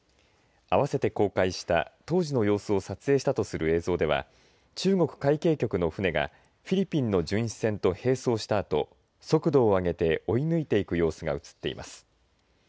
合わせて公開した当時の様子を撮影したとする映像では中国海警局の船がフィリピンの巡視船と並走したあと速度を上げて追い抜いていく様子が映っています。